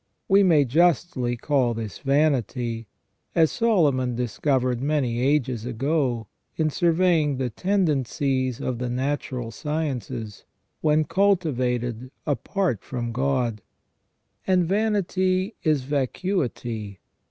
We may justly call this vanity, as Solomon discovered many ages ago, in sur veying the tendencies of the natural sciences, when cultivated apart from God. And vanity is vacuity.